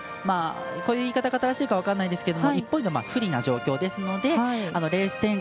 こういう言い方が正しいか分からないですけど１ポイント不利な状態ですのでレース展開